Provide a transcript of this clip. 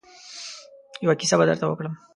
يوه کيسه به درته وکړم.